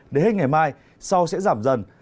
đến hết ngày mai sau sẽ giảm dần